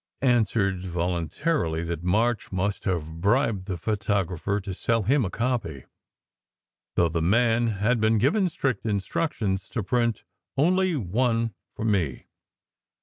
She answered voluntarily that March must have bribed the photographer to sell him a copy, though the man had been given strict instructions to print only one for me.